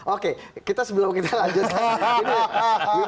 oke kita sebelum kita lanjutkan